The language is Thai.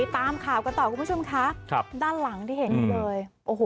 ตามข่าวกันต่อคุณผู้ชมคะครับด้านหลังที่เห็นเลยโอ้โห